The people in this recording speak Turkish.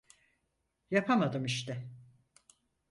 Yapamadım işte.